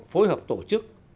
phối hợp tổ chức